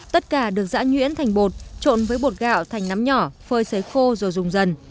tất cả được giã nhuyễn thành bột trộn với bột gạo thành nắm nhỏ phơi xấy khô rồi dùng dần